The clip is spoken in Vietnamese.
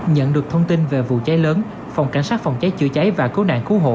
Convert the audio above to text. nhận được thông tin về vụ cháy lớn phòng cảnh sát phòng cháy chữa cháy và cứu nạn cứu hộ